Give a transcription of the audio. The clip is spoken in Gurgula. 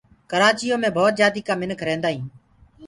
ڪرآچيو مي ڀوت جآتيٚ ڪآ منک ريهدآ هينٚ